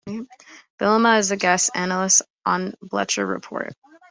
Vilma is a guest analyst on Bleacher Report.